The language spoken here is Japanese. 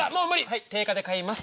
はい定価で買います。